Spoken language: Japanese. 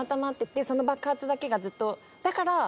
その爆発だけがずっと。